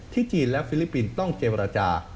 จีนและฟิลิปปินส์ต้องเจรจา